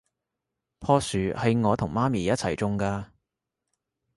樖樹係我同媽咪一齊種㗎